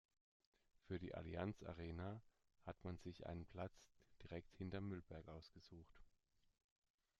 Für die Allianz-Arena hat man sich einen Platz direkt hinterm Müllberg ausgesucht.